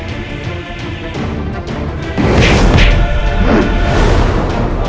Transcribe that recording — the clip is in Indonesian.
why siapa ini tersim express namanya